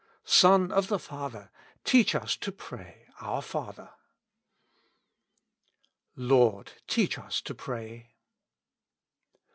Son of the Father, teach us to pray, "Our Father." "Lord, teach us to pray."